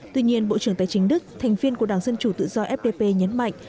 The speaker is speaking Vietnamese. tuy nhiên bộ trưởng tài chính đức thành viên của đảng dân chủ tự do fdp nhấn mạnh